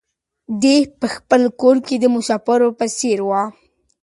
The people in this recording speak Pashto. دی په خپل کور کې د مسافر په څېر و.